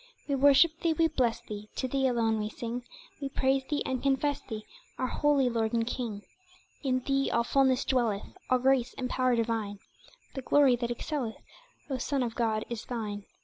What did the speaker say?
We worship Thee, we bless Thee To Thee alone we sing We praise Thee, and confess Thee Our holy Lord and King In Thee all fulness dwelleth, All grace and power divine, The glory that excelleth, O Son of God, is Thine!